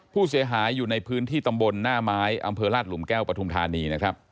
ผู้เสียหายอยู่ในพื้นที่ตำบลหน้าไม้อำเภอราชหลุมแก้วปฐุมธานีนะครับ